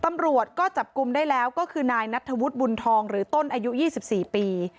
ตำรวจก็จับกลุ่มได้แล้วก็คือนายนัทธวุฒิบุญทองหรือต้นอายุ๒๔ปี